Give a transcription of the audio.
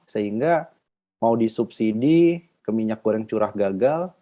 sehingga mau disubsidi ke minyak goreng curah gagal